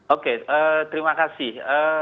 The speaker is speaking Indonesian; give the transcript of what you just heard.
oke terima kasih